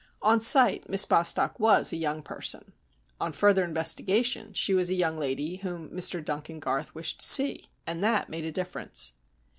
On sight, Miss Bostock was a young person. On further investigation she was a young lady whom Mr Duncan Garth wished to see, and that made a difference.